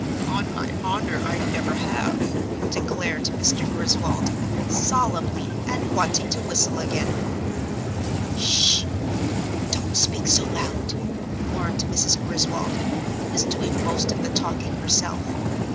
"On my honour, I never have," declared Mr. Griswold, solemnly, and wanting to whistle again. "Sh! don't speak so loud," warned Mrs. Griswold, who was doing most of the talking herself.